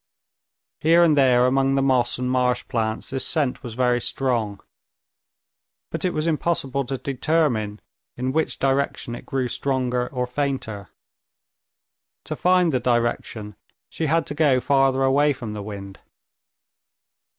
Here and there among the moss and marsh plants this scent was very strong, but it was impossible to determine in which direction it grew stronger or fainter. To find the direction, she had to go farther away from the wind.